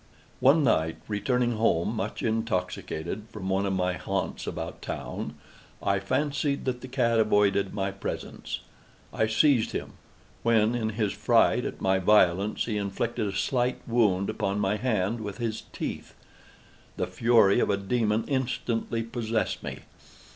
One night, returning home, much intoxicated, from one of my haunts about town, I fancied that the cat avoided my presence. I seized him; when, in his fright at my violence, he inflicted a slight wound upon my hand with his teeth. The fury of a demon instantly possessed me.